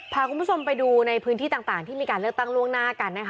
พาคุณผู้ชมไปดูในพื้นที่ต่างที่มีการเลือกตั้งล่วงหน้ากันนะคะ